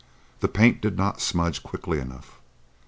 The paint did not smudge quickly enough.